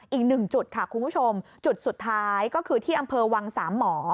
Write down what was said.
อีกหนึ่งจุดค่ะคุณผู้ชมจุดสุดท้ายก็คือที่อำเภอวังสามหมอ